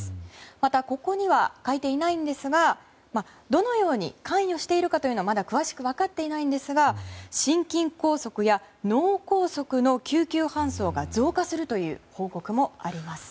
また、ここには書いていませんがどのように関与しているのかというのは詳しく分かっていないんですが心筋梗塞や脳梗塞の救急搬送が増加するという報告もあります。